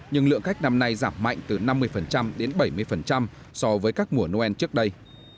nhưng lượng khách năm nay giảm mạnh từ năm mươi đến bảy mươi so với các mùa noel trước đây